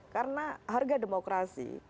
karena harga demokrasi